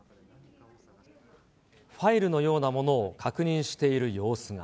ファイルのようなものを確認している様子が。